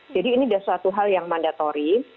jadi ini sudah suatu hal yang mandatorial